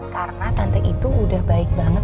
karena tante itu udah baik banget